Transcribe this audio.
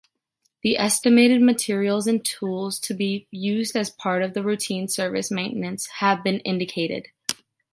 The estimated materials and tools to be used as part of the routine service maintenance have to be indicated.